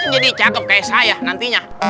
jadi cakep kayak saya nantinya